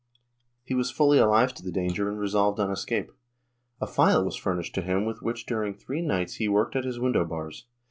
He was fully alive to the danger and resolved on escape ; a file w^as furnished to him with which during three nights he worked at his window bars.